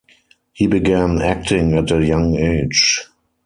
He began acting at a young age.